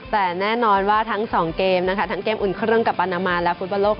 แต่แน่นอนว่าทั้งสองเกมนะคะทั้งเกมอุ่นเครื่องกับปานามาและฟุตบอลโลก